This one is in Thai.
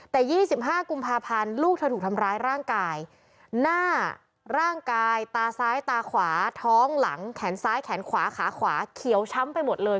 แต่๒๕กุมภาพันธ์ลูกเธอถูกทำร้ายร่างกายหน้าร่างกายตาซ้ายตาขวาท้องหลังแขนซ้ายแขนขวาขาขวาเขียวช้ำไปหมดเลย